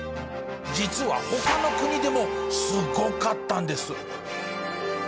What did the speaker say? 実は他の国でもすごかったんです。